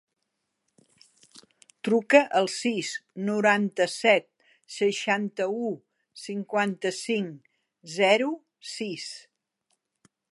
Truca al sis, noranta-set, seixanta-u, cinquanta-cinc, zero, sis.